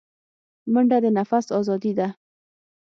منډه د نفس آزادي ده